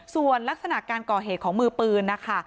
ส่วนลักษณะการก่อเหตุของมือปืนนะคะ